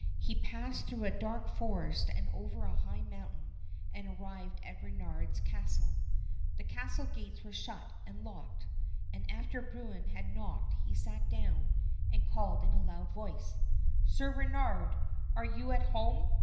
He passed through a dark forest and over a high mountain and arrived at Reynard's castle. The castle gates were shut and locked, and after Bruin had knocked he sat down and called in a loud voice: "Sir Reynard, are you at home.